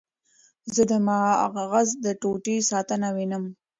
زه د مغز د ټوټې ساتنه وینم.